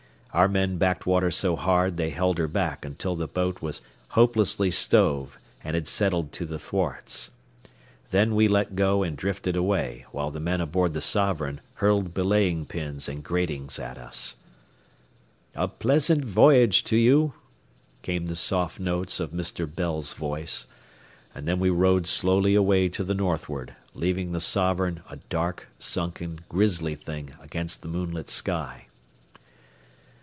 Our men backed water so hard they held her back until the boat was hopelessly stove and had settled to the thwarts. Then we let go and drifted away, while the men aboard the Sovereign hurled belaying pins and gratings at us. "A pleasant voyage to you," came the soft notes of Mr. Bell's voice; and then we rowed slowly away to the northward, leaving the Sovereign a dark, sunken grisly thing against the moonlit sky.